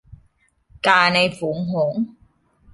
กาในฝูงหงส์